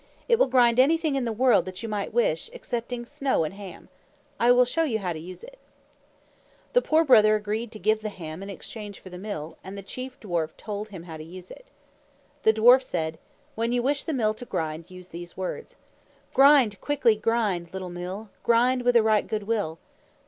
"It will grind anything in the world that you might wish, excepting snow and ham. I will show you how to use it." The Poor Brother agreed to give the ham in exchange for the Mill, and the Chief Dwarf told him how to use it. The dwarf said, "When you wish the Mill to grind, use these words: Grind, quickly grind, little Mill, Grind with a right good will!